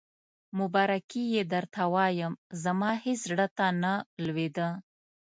مبارکي یې درته وایم، زما هېڅ زړه ته نه لوېده.